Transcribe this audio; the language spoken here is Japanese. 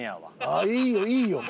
ああいいよいいよ。